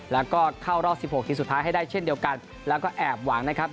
แล้วก็เข้ารอบสิบหกทีสุดท้ายให้ได้เช่นเดียวกันแล้วก็แอบหวังนะครับ